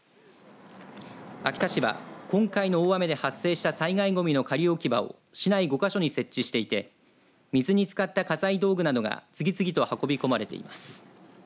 秋田市は今回の大雨で発生した災害ごみの仮置き場を市内５か所に設置していて水につかった家財道具などが次々と運び込まれています。